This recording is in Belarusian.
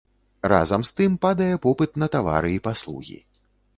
Разам з тым, падае попыт на тавары і паслугі.